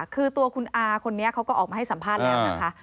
คือตัวคุณอาคนนี้เขาก็ออกมาให้สัมภาษณ์แล้วนะคะ